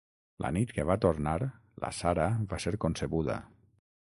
La nit que va tornar, la Sarah va ser concebuda.